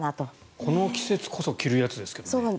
この季節こそ着るやつですけどね。